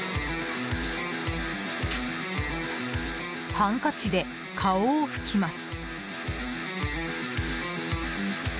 ハンカチで顔を拭きます。